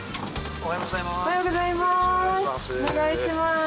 おはようございます。